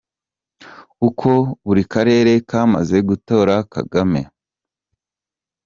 Uko buri karere kamaze gutora Kagame.